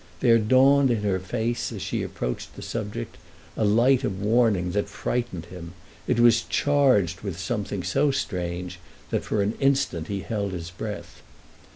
There dawned in her face as she approached the subject a light of warning that frightened him; it was charged with something so strange that for an instant he held his breath.